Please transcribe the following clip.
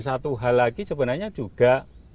satu hal lagi sebenarnya juga